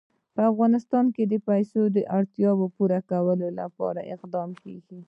په افغانستان کې د پسه د اړتیاوو پوره کولو لپاره اقدامات کېږي.